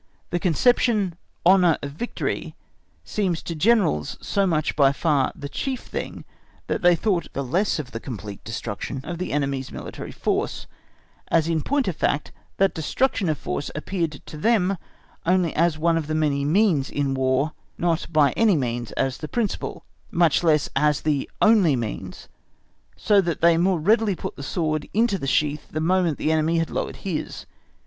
The conception, Honour of Victory seemed to Generals so much by far the chief thing that they thought the less of the complete destruction of the enemy's military force, as in point of fact that destruction of force appeared to them only as one of the many means in War, not by any means as the principal, much less as the only means; so that they the more readily put the sword in its sheath the moment the enemy had lowered his.